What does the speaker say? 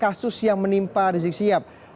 kita lepaskan kasus yang menimpa rizik syiap